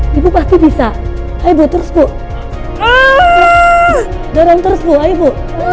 dorong terus ibu ayo ibu